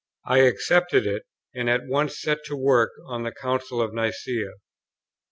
I accepted it, and at once set to work on the Council of Nicæa.